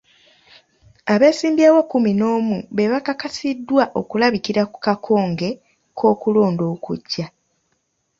Abeesimbyewo kumi n'omu be bakakasiddwa okulabikira ku kakonge k'okulonda okujja.